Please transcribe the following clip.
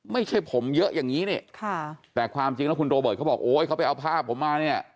ไม่ใช่ผมเยอะอย่างนี้นี่ค่ะแต่ความจริงแล้วคุณโรเบิร์ตเขาบอกโอ๊ยเขาไปเอาภาพผมมาเนี่ย